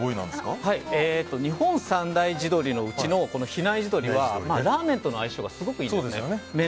日本三大地鶏のうちの比内地鶏は、ラーメンとの相性がすごくいいんです麺